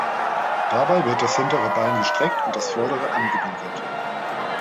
Dabei wird das hintere Bein gestreckt und das fordere angewinkelt.